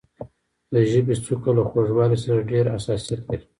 د ژبې څوکه له خوږوالي سره ډېر حساسیت لري.